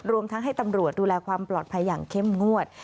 รวมทั้งให้ตำรวจดูแลความปลอดภัยอย่างเข้มงวด